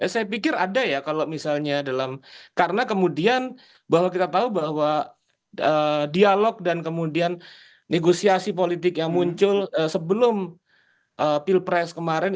saya pikir ada ya kalau misalnya dalam karena kemudian bahwa kita tahu bahwa dialog dan kemudian negosiasi politik yang muncul sebelum pilpres kemarin